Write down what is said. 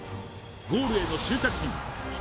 ゴールへの執着心人